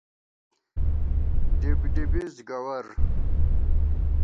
ڈبڈِبِز گَوَر